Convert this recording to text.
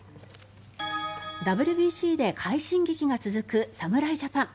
ＷＢＣで快進撃が続く侍ジャパン。